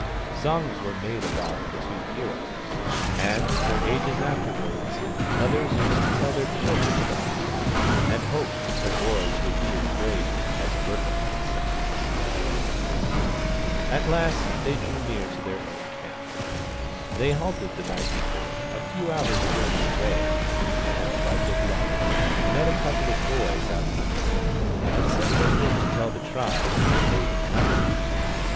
Songs were made about the two heroes, and for ages afterwards mothers used to tell their children about them, and hope that their boys would be as brave as Burkamukk 's sons. 46 THE STONE AXE OF BURKAMUKK At last they drew near to their own camp. They halted the night before a few hours' journey away, and by good luck they met a couple of boys out hunting, and sent them in to tell the tribe that they were coming.